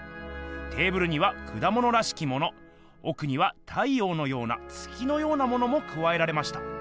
テーブルにはくだものらしきものおくには太ようのような月のようなのもくわえられました。